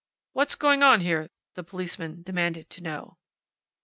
"What's going on here?" the policeman demanded to know.